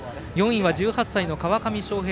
４位は１８歳の川上翔平。